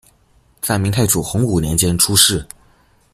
在明太祖洪武年间出仕。